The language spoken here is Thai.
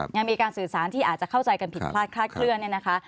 ยังมีการสื่อสารที่อาจจะเข้าใจกันผิดพลาดคลาดเคลื่อนเนี่ยนะคะ